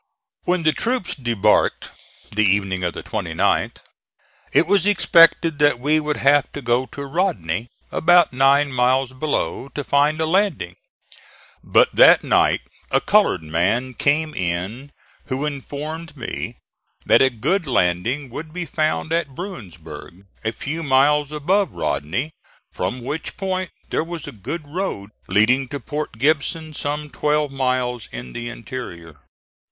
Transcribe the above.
When the troops debarked, the evening of the 29th, it was expected that we would have to go to Rodney, about nine miles below, to find a landing; but that night a colored man came in who informed me that a good landing would be found at Bruinsburg, a few miles above Rodney, from which point there was a good road leading to Port Gibson some twelve miles in the interior.